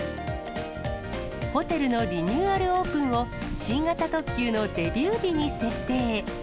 ホテルのリニューアルオープンを、新型特急のデビュー日に設定。